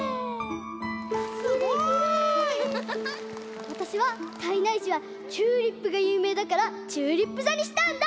すごい！わたしは胎内市はチューリップがゆうめいだからチューリップざにしたんだ！